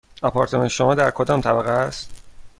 آپارتمان شما در کدام طبقه است؟